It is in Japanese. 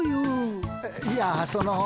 いやその。